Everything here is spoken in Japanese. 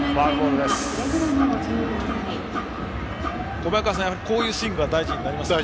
小早川さん、こういうスイングが大事になりますね。